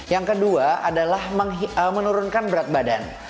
yang kedua adalah menurunkan berat badan